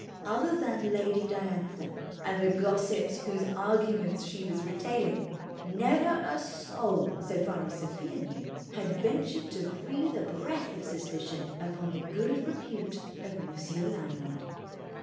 Other than Lady Diantha and the gossips whose arguments she was retailing, never a soul (so far as Sofia knew) had ventured to breathe a breath of suspicion upon the good repute of Monsieur Lanyard.